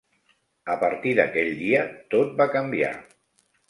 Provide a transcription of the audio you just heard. A partir d'aquell dia tot va canviar.